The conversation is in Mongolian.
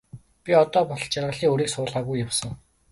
Би одоо болтол жаргалын үрийг суулгаагүй явсан.